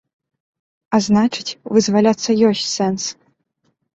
А значыць, вызваляцца ёсць сэнс.